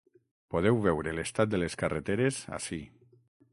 Podeu veure l’estat de les carreteres ací.